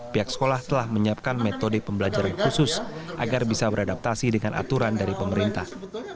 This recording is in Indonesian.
pihak sekolah telah menyiapkan metode pembelajaran khusus agar bisa beradaptasi dengan aturan dari pemerintah